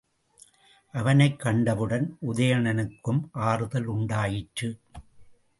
அவனைக் கண்டவுடன் உதயணனுக்கும் ஆறுதல் உண்டாயிற்று.